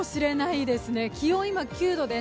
気温今、９度です。